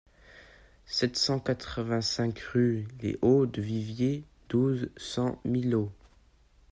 sept cent quatre-vingt-cinq rue les Hauts du Vivier, douze, cent, Millau